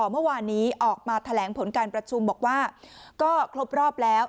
เมื่อวานนี้ออกมาแถลงผลการประชุมบอกว่าก็ครบรอบแล้ว